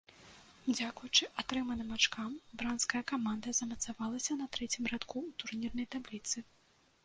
Дзякуючы атрыманым ачкам бранская каманда замацавалася на трэцім радку ў турнірнай табліцы.